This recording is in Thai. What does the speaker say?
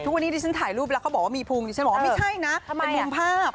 วันนี้ดิฉันถ่ายรูปแล้วเขาบอกว่ามีพุงดิฉันบอกว่าไม่ใช่นะเป็นมุมภาพ